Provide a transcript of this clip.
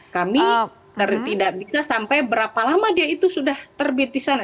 kami tidak bisa sampai berapa lama dia itu sudah terbit di sana